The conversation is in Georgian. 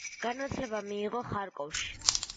განათლება მიიღო ხარკოვში.